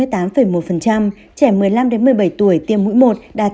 trẻ một mươi năm đến một mươi bảy tuổi tiêm mũi một đạt chín mươi chín hai